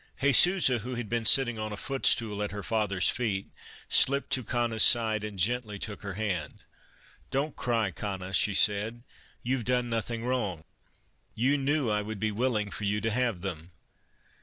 Jesusa, who had been sitting on a stool at her father's feet, slipped to Cana's side and gently took her hand. u Don't cry, Cana," said she. " You Ve done nothing wrong. You knew I would be willing for you to have them."